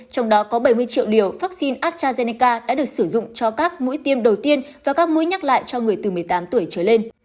trong đó có bảy mươi triệu liều vaccine astrazeneca đã được sử dụng cho các mũi tiêm đầu tiên và các mũi nhắc lại cho người từ một mươi tám tuổi trở lên